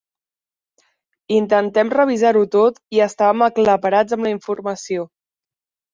Intentem revisar-ho tot i estàvem aclaparats amb la informació.